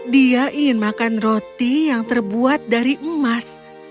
dia ingin makan roti yang terbuat dari emas